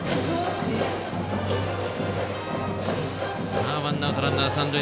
さあ、ワンアウトランナー、三塁。